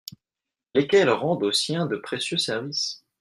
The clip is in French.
Lesquels rendent aux siens de précieux services !